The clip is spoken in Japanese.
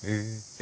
え！